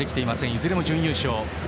いずれも準優勝。